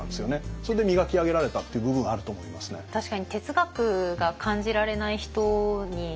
それで磨き上げられたっていう部分あると思いますね。